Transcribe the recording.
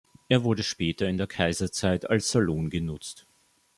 Er wurde später in der Kaiserzeit als Salon genutzt.